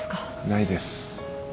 ないです。